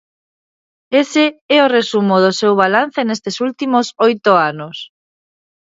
Ese é o resumo do seu balance nestes últimos oito anos.